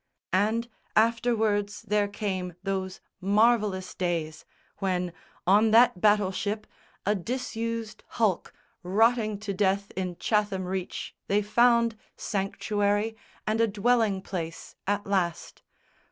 And, afterwards, there came those marvellous days When, on that battleship, a disused hulk Rotting to death in Chatham Reach, they found Sanctuary and a dwelling place at last.